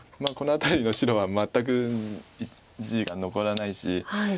この辺りの白は全く地が残らないし。